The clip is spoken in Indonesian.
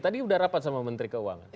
tadi udah rapat sama menteri keuangan